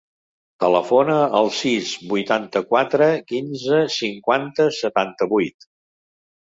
Telefona al sis, vuitanta-quatre, quinze, cinquanta, setanta-vuit.